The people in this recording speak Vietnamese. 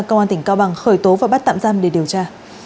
cơ quan tỉnh cao bằng khởi tố và bắt tạm giam để điều tra